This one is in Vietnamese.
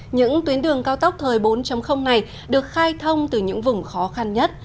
những tuyến đường cao tốc thời bốn này được khai thông từ những vùng khó khăn nhất